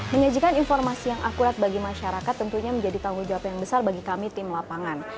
menyajikan informasi yang akurat bagi masyarakat tentunya menjadi tanggung jawab yang besar bagi kami tim lapangan